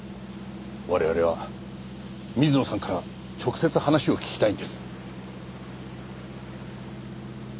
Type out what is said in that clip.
我々は水野さんから直接話を聞きたいんです。